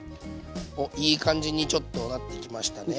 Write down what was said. おっいい感じにちょっとなってきましたね。